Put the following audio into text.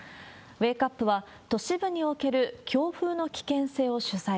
ウェークアップは、都市部における強風の危険性を取材。